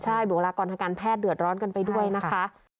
ใช่บุคลากรทางการแพทย์เดือดร้อนกันไปด้วยนะคะ